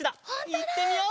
いってみよう！